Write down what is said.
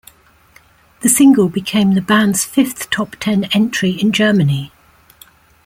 The single became the band's fifth top ten entry in Germany.